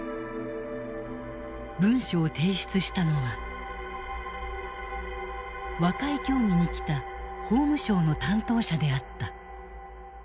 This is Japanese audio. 文書を提出したのは和解協議に来た法務省の担当者であった。